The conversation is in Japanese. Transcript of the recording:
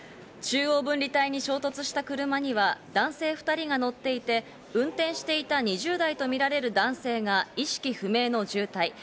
中央分離帯に衝突した車には男性２人が乗っていて、運転していた２０代とみられる男性が意識不明の重体。